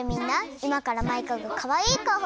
いまからマイカがかわいいかおをするよ！